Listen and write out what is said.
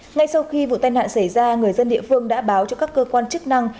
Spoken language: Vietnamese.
ngay sau khi vụ tai nạn xảy ra người dân địa phương đã báo cho các cơ quan chức năng